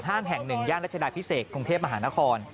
ถึงแห้งหญิงครับ